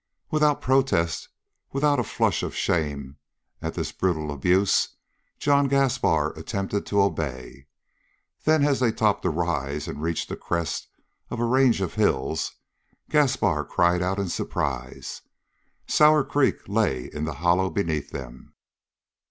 Without protest, without a flush of shame at this brutal abuse, John Gaspar attempted to obey. Then, as they topped a rise and reached a crest of a range of hills, Gaspar cried out in surprise. Sour Creek lay in the hollow beneath them.